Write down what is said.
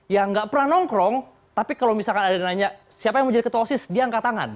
ya nggak pernah nongkrong tapi kalau misalkan ada yang nanya siapa yang mau jadi ketua osis dia angkat tangan